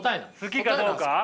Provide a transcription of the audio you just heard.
好きかどうか？